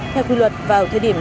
theo quy luật vào thời điểm